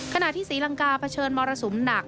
ที่ศรีลังกาเผชิญมรสุมหนัก